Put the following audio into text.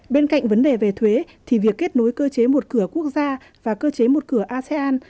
bên cạnh vấn đề về thuế thì việc kết nối cơ chế một cửa quốc gia và cơ chế một cửa asean